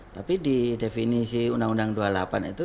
tapi di definisi undang undang dua puluh delapan itu